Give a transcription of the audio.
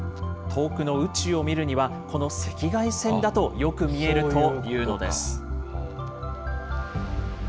遠くの宇宙を見るには、この赤外線だとよく見えるというのです。